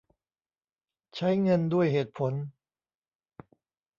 ใช้เงินด้วยเหตุผล